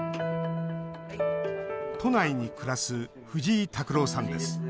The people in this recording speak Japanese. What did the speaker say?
都内に暮らす藤井拓郎さんです。